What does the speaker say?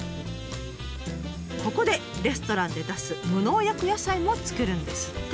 ここでレストランで出す無農薬野菜も作るんですって。